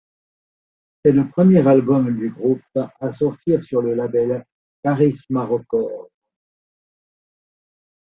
C'est le premier album du groupe à sortir sur le label Charisma Records.